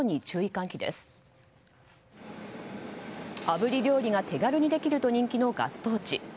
あぶり料理が手軽にできると人気のガストーチ。